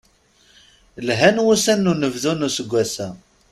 Lhan wussan n unebdu n useggas-a.